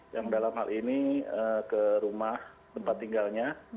yang dalam hal ini ke rumah tempat tinggalnya